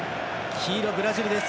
黄色、ブラジルです。